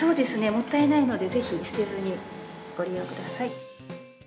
もったいないので、ぜひ、捨てずにご利用ください。